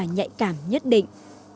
nhạy cảm nhất định